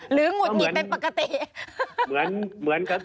หงุดหงิดเป็นปกติ